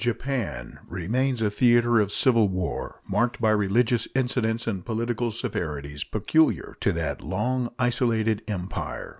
Japan remains a theater of civil war, marked by religious incidents and political severities peculiar to that long isolated Empire.